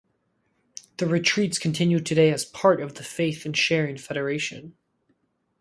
The retreats continue today as part of the Faith and Sharing Federation.